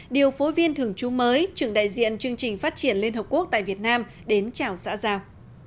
điều phối viên thường trú mới trưởng đại diện chương trình phát triển liên hợp quốc tại việt nam đến chào xã giao